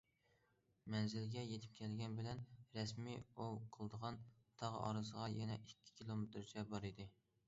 مەنزىلگە يېتىپ كەلگەن بىلەن رەسمىي ئوۋ قىلىدىغان تاغ ئارىسىغا يەنە ئىككى كىلومېتىرچە بار ئىدى.